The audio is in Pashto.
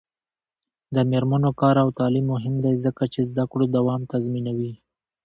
د میرمنو کار او تعلیم مهم دی ځکه چې زدکړو دوام تضمینوي.